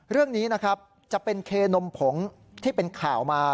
เรื่องนี้นะครับจะเป็นเคนมผงที่เป็นข่าวมา